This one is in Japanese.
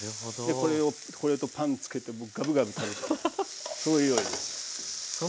これをこれとパンつけてもうガブガブ食べちゃうそういう料理です。